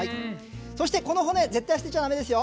そしてこの骨絶対捨てちゃだめですよ！